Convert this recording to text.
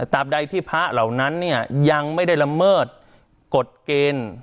ตามใดที่พระเหล่านั้นเนี่ยยังไม่ได้ละเมิดกฎเกณฑ์